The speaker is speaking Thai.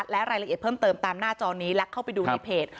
และรายละเอียดเพิ่มเติมตามหน้าจอนี้และเข้าไปดูในเพจ